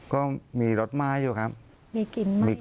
ก็มีรสไม้อยู่ครับ